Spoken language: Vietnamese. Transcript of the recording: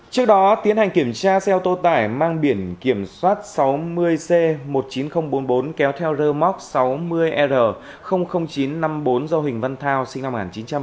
trước đó tiến hành kiểm tra xe ô tô tải mang biển kiểm soát sáu mươi c một mươi chín nghìn bốn mươi bốn kéo theo rơ móc sáu mươi r chín trăm năm mươi bốn do huỳnh văn thao sinh năm một nghìn chín trăm tám mươi